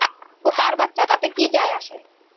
ও কার বাচ্চা তাতে কী যায় আসে?